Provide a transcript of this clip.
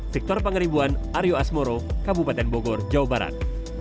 victor pangeribuan aryo asmoro kabupaten bogor jawa barat